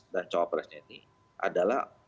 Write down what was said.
dan cawapres ini adalah